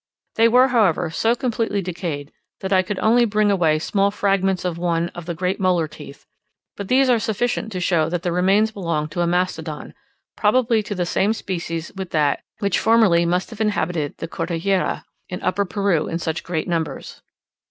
They were, however, so completely decayed, that I could only bring away small fragments of one of the great molar teeth; but these are sufficient to show that the remains belonged to a Mastodon, probably to the same species with that, which formerly must have inhabited the Cordillera in Upper Peru in such great numbers.